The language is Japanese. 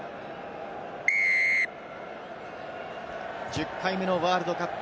１０回目のワールドカップ